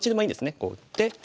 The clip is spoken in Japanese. こう打って。